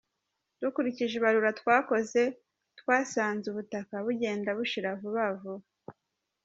Dukurikije ibarura twakoze, twasanze ubutaka bugenda bushira vuba vuba.